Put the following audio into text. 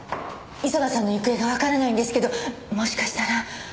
磯田さんの行方がわからないんですけどもしかしたら。